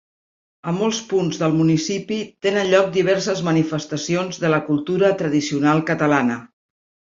A molts punts del municipi tenen lloc diverses manifestacions de la cultura tradicional catalana.